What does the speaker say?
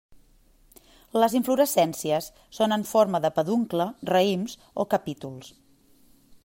Les inflorescències són en forma de peduncle, raïms o capítols.